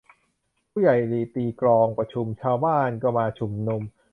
ผู้ใหญ่ลีตีกลองประชุม ชาวบ้านก็มาชุมนุม